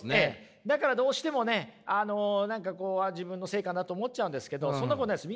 だからどうしてもね何か自分のせいかなと思っちゃうんですけどそんなことないです。